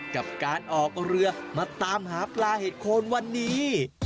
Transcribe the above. กับการออกเรือมาตามหาปลาเห็ดโคนวันนี้